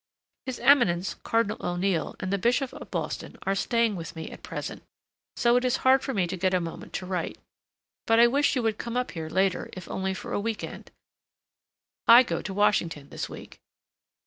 His Eminence Cardinal O'Neill and the Bishop of Boston are staying with me at present, so it is hard for me to get a moment to write, but I wish you would come up here later if only for a week end. I go to Washington this week.